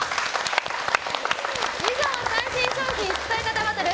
以上、最新商品使い方バトル！